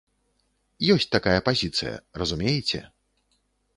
Ёсць такая пазіцыя, разумееце?